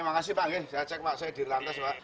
makasih pak saya cek pak saya di lantas pak